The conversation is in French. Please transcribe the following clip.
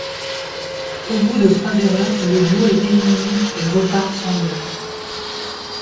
Au bout de trois erreurs, le duo est éliminé et repart sans gains.